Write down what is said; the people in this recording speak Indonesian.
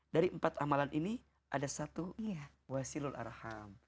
dari empat amalan ini ada satu wasilul arham